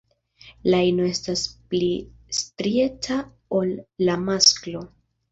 La ino estas pli strieca ol la masklo.